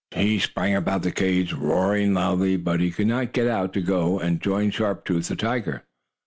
He sprang about the cage, roaring loudly, but he could not get out to go and join Sharp Tooth, the tiger.